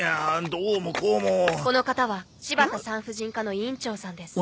この方はしばた産婦人科の医院長さんです。